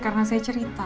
karena saya cerita